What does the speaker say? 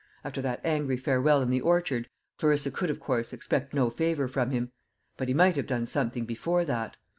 After that angry farewell in the orchard, Clarissa could, of course, expect no favour from him; but he might have done something before that.